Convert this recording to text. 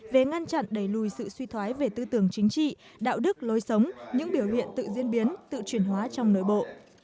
về ngăn chặn đẩy lùi sự suy thoái về tư tưởng chính trị đạo đức lối sống những biểu hiện tự diễn biến tự truyền hóa trong nội bộ